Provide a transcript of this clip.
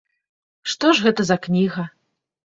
Што ж гэта за кніга?